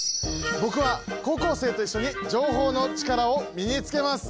僕は高校生と一緒に情報のチカラを身につけます。